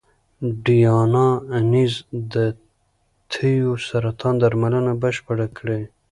ډیانا اینز د تیو سرطان درملنه بشپړه کړې.